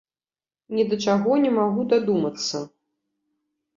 Ні да чаго не магу дадумацца.